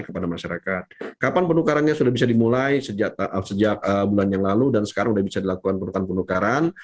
kepada masyarakat kapan penukarannya sudah bisa dimulai sejak bulan yang lalu dan sekarang sudah bisa dilakukan penukaran penukaran